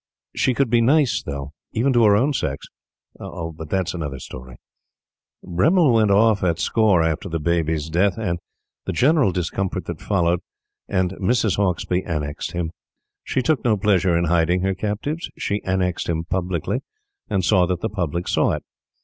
She could be nice, though, even to her own sex. But that is another story. Bremmil went off at score after the baby's death and the general discomfort that followed, and Mrs. Hauksbee annexed him. She took no pleasure in hiding her captives. She annexed him publicly, and saw that the public saw it.